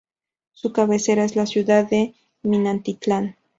Su cabecera es la ciudad de Minatitlán.